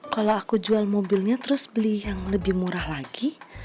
kalau aku jual mobilnya terus beli yang lebih murah lagi